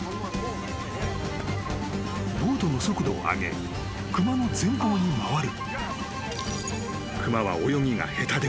［ボートの速度を上げ熊の前方に回る］